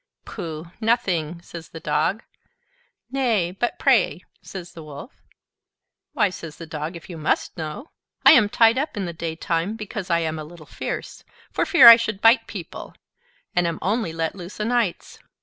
"Pooh! nothing," says the Dog. "Nay, but pray " says the Wolf. "Why," says the Dog, "if you must know, I am tied up in the daytime, because I am a little fierce, for fear I should bite people, and am only let loose a nights.